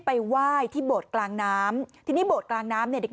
อันนี้มือดิฉันเอง